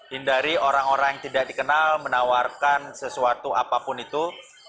hindari orang orang yang tidak dikenal menawarkan sesuatu apapun itu